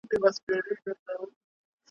چي مي پل پکښي زده کړی چي مي ایښی پکښي ګام دی `